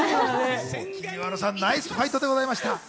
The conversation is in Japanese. きみまろさん、ナイスファイトでございました。